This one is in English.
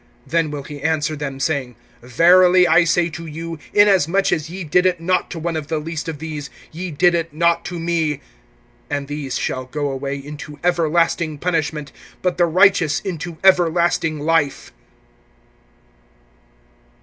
(45)Then will he answer them, saying: Verily I say to you, inasmuch as ye did it not to one of the least of these, ye did it not to me. (46)And these shall go away into everlasting punishment, but the righteous into everlasting life.